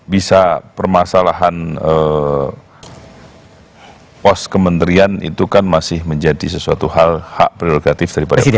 bisa permasalahan pos kementerian itu kan masih menjadi sesuatu hal hak prerogatif daripada pemerintah